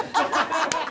ハハハハ！